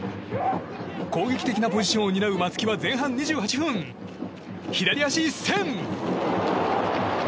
攻撃的なポジションを担う松木は前半２８分左足一閃！